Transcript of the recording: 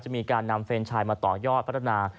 มีการนำเฟรนชายมาต่อยอดพัฒนา